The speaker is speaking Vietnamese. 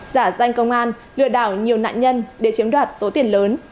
giả danh công an lừa đảo nhiều nạn nhân để chiếm đoạt số tiền lớn